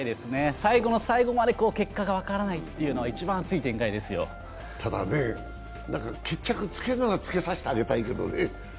最後の最後まで結果が分からないというのがただ決着つくならつけさせてあげたいけどね。